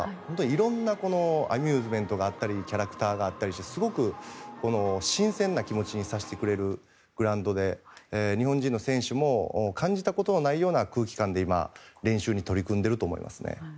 いろんなアミューズメントがあったりキャラクターがあったりしてすごく新鮮な気持ちにさせてくれるグラウンドで日本人の選手も感じたことのないような空気感で今、練習に取り組んでいると思いますね。